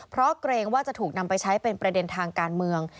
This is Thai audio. เพราะเกรงว่าจะถูกนำไปใช้เป็นประเด็นทางการเมือง